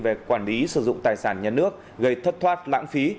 về quản lý sử dụng tài sản nhà nước gây thất thoát lãng phí